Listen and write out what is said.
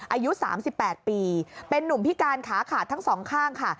อายุ๓๘ปีเป็นนุ่มพิการขาขาดทั้งสองข้างค่ะ